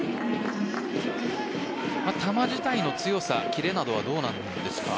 球自体の強さキレなどはどうなんですか？